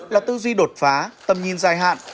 là tư duy đột phá tầm nhìn dài hạn